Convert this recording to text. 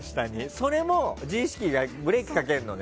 それも自意識がブレーキかけるのね？